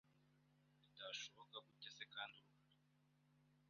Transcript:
bitashoboka gute se kandi ruhari